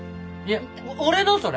俺のそれ！